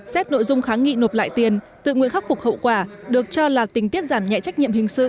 xét nội dung kháng nghị nộp lại tiền tự nguyện khắc phục hậu quả được cho là tình tiết giảm nhẹ trách nhiệm hình sự